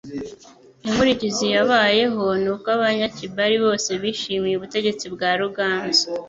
Inkurikizi yabayeho, n'uko Abanyakibali bose bishimiye ubutegetsi bwa Ruganzu,